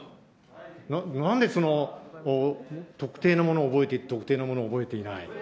なんでその特定のものを覚えていて、特定のものを覚えていない。